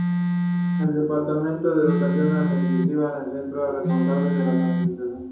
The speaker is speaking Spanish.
El departamento de educación administraba el centro y era responsable de las admisiones.